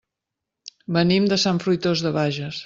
Venim de Sant Fruitós de Bages.